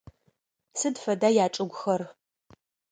Сыд фэда ячӏыгухэр?